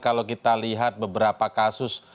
kalau kita lihat beberapa kasus